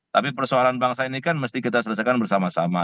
tapi persoalan bangsa ini kan mesti kita selesaikan bersama sama